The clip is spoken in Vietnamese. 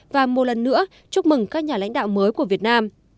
và một lần nữa chúc mừng các nhà lãnh đạo mới của việt nam